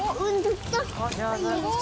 すごい！